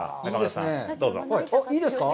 いいですか？